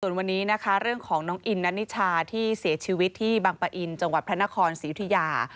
ส่วนวันนี้นะคะเรื่องของน้องอินนัทนิชาที่เสียชีวิตที่บางปะอินจังหวัดพระนครศรียุธิยา